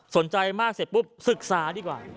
สนใจมากเสร็จปุ๊บศึกษาดีกว่า